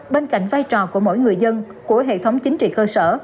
bên cạnh vai trò của mỗi người dân của hệ thống chính trị cơ sở